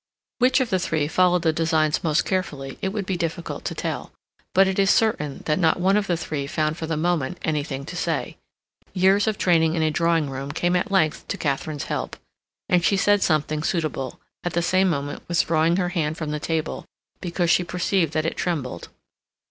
Which of the three followed the designs most carefully it would be difficult to tell, but it is certain that not one of the three found for the moment anything to say. Years of training in a drawing room came at length to Katharine's help, and she said something suitable, at the same moment withdrawing her hand from the table because she perceived that it trembled.